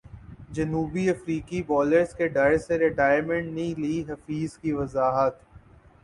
جنوبی افریقی بالرز کے ڈر سے ریٹائرمنٹ نہیں لی حفیظ کی وضاحت